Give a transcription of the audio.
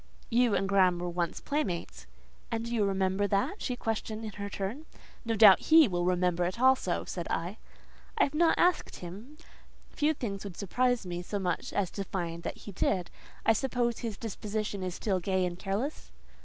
"You and Graham were once playmates." "And do you remember that?" she questioned in her turn. "No doubt he will remember it also," said I. "I have not asked him: few things would surprise me so much as to find that he did. I suppose his disposition is still gay and careless?"